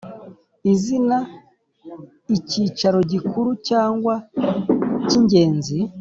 Izina icyicaro gikuru cyangwa cy ingenzi